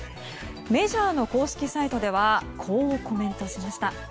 メジャーの公式サイトではこうコメントしました。